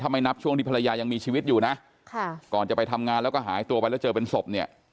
ไม่นับช่วงที่ภรรยายังมีชีวิตอยู่นะค่ะก่อนจะไปทำงานแล้วก็หายตัวไปแล้วเจอเป็นศพเนี่ย